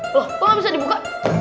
loh kok nggak bisa dibuka